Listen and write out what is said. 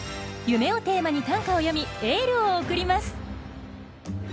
「夢」をテーマに短歌を詠みエールを送ります。